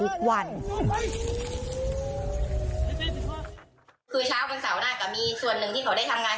คือวันเช้าวันเสาร์หน้าก็มีส่วนหนึ่งที่เขาได้ทำงาน